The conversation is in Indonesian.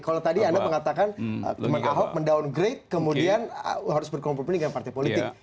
kalau tadi anda mengatakan teman ahok mendowngrade kemudian harus berkompromi dengan partai politik